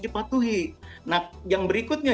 dipatuhi nah yang berikutnya